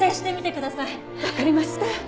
わかりました。